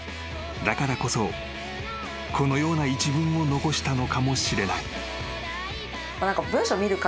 ［だからこそこのような一文を残したのかもしれない］